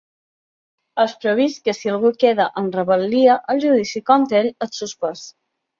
És previst que si algú queda en rebel·lia, el judici contra ell és suspès.